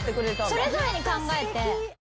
それぞれに考えて。